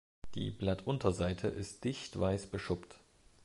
Die Blattunterseite ist dicht weiß beschuppt.